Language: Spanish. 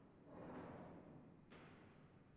Existen varios caminos para llegar al pantano en coche.